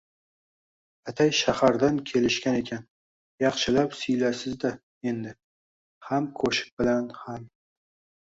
— atay shahardan kelishgan ekan, yaxshilab siylaysizda endi, ham qoʼshiq bilan, ham.